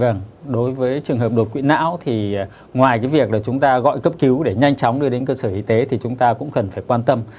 vâng đối với trường hợp đột quỵ não thì ngoài cái việc là chúng ta gọi cấp cứu để nhanh chóng đưa đến cơ sở y tế thì chúng ta cũng cần phải quan tâm